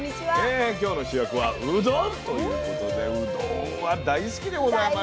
今日の主役は「うどん」ということでうどんは大好きでございますよ。